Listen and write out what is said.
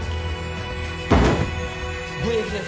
ＶＦです。